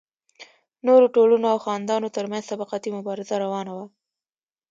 نورو ټولنو او خاوندانو ترمنځ طبقاتي مبارزه روانه وه.